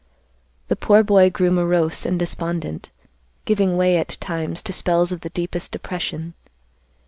The poor boy grew morose and despondent, giving way at times to spells of the deepest depression.